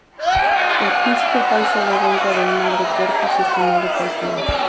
El príncipe Jai se levanta del mar de cuerpos y es tomado cautivo.